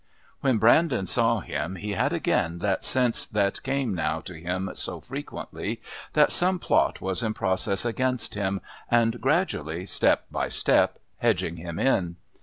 When Brandon saw him he had again that sense that came now to him so frequently, that some plot was in process against him and gradually, step by step, hedging him in.